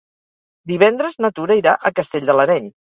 Divendres na Tura irà a Castell de l'Areny.